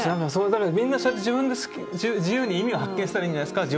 だからみんなそうやって自分で自由に意味を発見したらいいんじゃないですか。